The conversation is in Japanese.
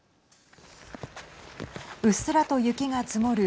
うっすらと雪が積もる